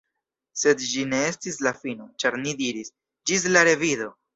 Sed ĝi ne estis la fino, ĉar ni diris, “Ĝis la revido!”